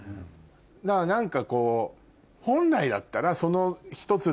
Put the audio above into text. だから何かこう本来だったらその。